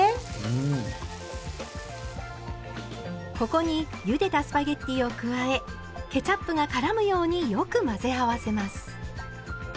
ここにゆでたスパゲッティを加えケチャップがからむようによく混ぜ合わせます。